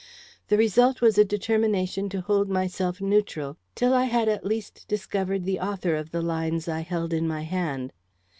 The result was a determination to hold myself neutral till I had at least discovered the author of the lines I held in my hand.